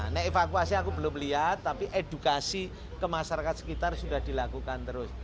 nah evakuasi aku belum lihat tapi edukasi ke masyarakat sekitar sudah dilakukan terus